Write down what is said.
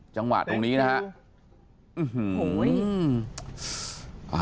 จังหวะตรงนี้นะฮะ